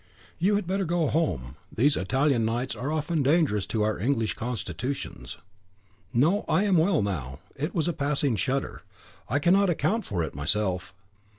You had better go home: these Italian nights are often dangerous to our English constitutions." "No, I am well now; it was a passing shudder. I cannot account for it myself."